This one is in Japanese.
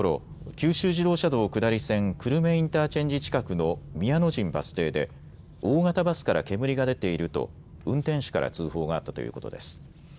九州自動車道下り線久留米インターチェンジ近くの宮の陣バス停で大型バスから煙が出ていると運転手から通報があったということです。